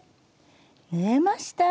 縫えました。